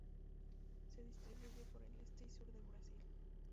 Se distribuye por el este y sur de Brasil.